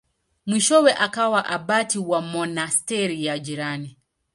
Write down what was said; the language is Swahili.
Mwishowe akawa abati wa monasteri ya jirani.